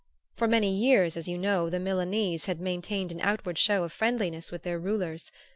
For many years, as you know, the Milanese had maintained an outward show of friendliness with their rulers.